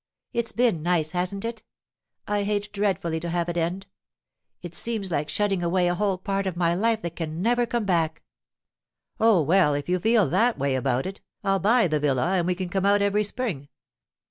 It's been nice, hasn't it? I hate dreadfully to have it end. It seems like shutting away a whole part of my life that can never come back.' 'Oh, well, if you feel that way about it, I'll buy the villa and we can come out every spring.